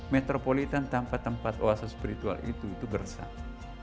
metropolitan tanpa tempat oasa spiritual itu itu gersak